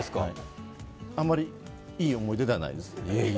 あまり、いい思い出ではないです。